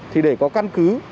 thì để có căn cứ